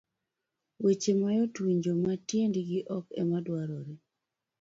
Weche mayot winjo ma tiendgi ok ema dwarore.